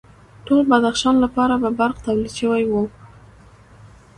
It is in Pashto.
ټول بدخشان لپاره به برق تولید شوی و